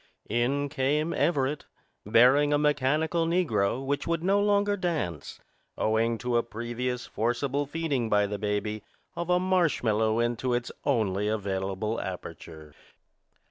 In came Everett, bearing a mechanical negro which would no longer dance, owing to a previous forcible feeding by the baby of a marshmallow into its only available aperture.